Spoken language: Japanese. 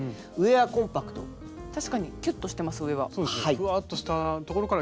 ふわっとしたところからキュッと。